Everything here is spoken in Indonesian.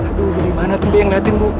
aduh gimana tapi yang ngeliatin bu